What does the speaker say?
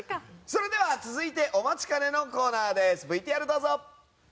それでは続いてお待ちかねのコーナーです。